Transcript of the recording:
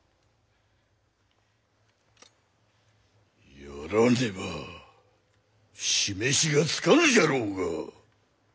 やらねば示しがつかぬじゃろうが。